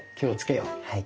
はい。